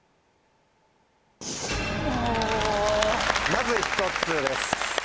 まず１つです。